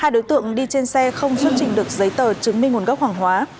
hai đối tượng đi trên xe không xuất trình được giấy tờ chứng minh nguồn gốc hàng hóa